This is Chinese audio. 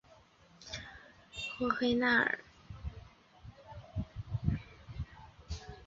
霍黑纳尔泰姆是德国巴伐利亚州的一个市镇。